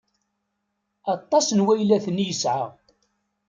Aṭas n waylaten i yesɛa.